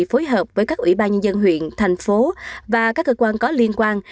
phối hợp với các ủy ban nhân dân huyện thành phố và các cơ quan có liên quan